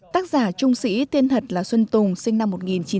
tác giả trung sĩ tiên thật là xuân tùng sinh năm một nghìn chín trăm bảy mươi